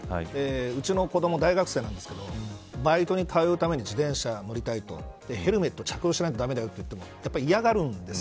うちの子ども大学生なんですけどバイトに通うために自転車乗りたいとヘルメット着用しないと駄目だよと言っても、嫌がるんです。